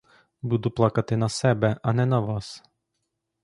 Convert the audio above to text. Буду плакати на себе, а не на вас.